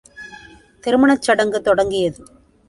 திருமணச் சடங்கு தொடங்கியது.